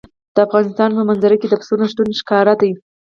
د افغانستان په منظره کې د پسونو شتون ښکاره دی.